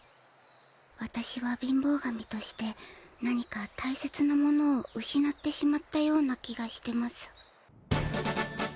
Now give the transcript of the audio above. わたしは貧乏神として何かたいせつなものをうしなってしまったような気がしてます。